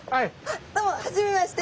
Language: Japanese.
どうも初めまして。